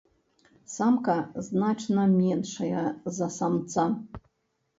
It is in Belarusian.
Самка значна меншая за самца.